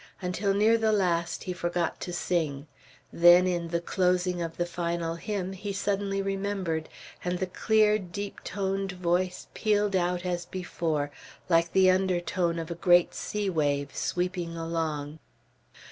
Until near the last, he forgot to sing; then, in the closing of the final hymn, he suddenly remembered, and the clear deep toned voice pealed out, as before, like the undertone of a great sea wave, sweeping along.